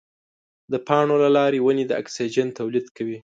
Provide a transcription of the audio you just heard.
د پاڼو له لارې ونې د اکسیجن تولید کوي.